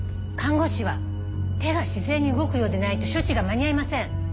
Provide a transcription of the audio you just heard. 看護師は手がしぜんに動くようでないと処置が間に合いません。